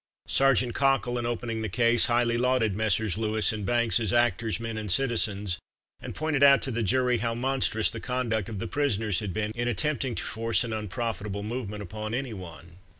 Sergeant Cockle, in opening the case highly lauded Messrs. Lewis and Banks as actors, men, and citizens, and pointed out to the jury how monstrous the conduct of the prisoners had been, in attempting to force an unprofitable movement upon anyone.